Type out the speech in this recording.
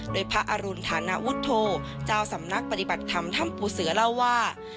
โดยพระอรุณฐานวุฒโธเจ้าสำนักปฏิบัติธรรมถ้ำปูเสือเล่าว่า